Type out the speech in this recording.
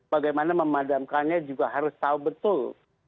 bagaimana memadamkannya juga harus tahu betul